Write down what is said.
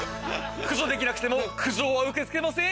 駆除できなくても苦情は受け付けません。